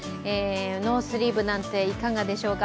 ノースリーブなんていかがでしょうか。